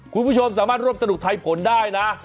คุณผู้ชมสามารถรวบสนุกไทยผลได้นะ